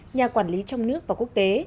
nhà quản lý trong nước và quốc tế